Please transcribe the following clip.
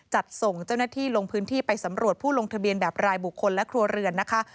จัดส่งเจ้าหน้าที่ลงพื้นที่ไปสำรวจผู้ลงทะเบียนแบบรายบุคคลและครัวเรือนนะคะ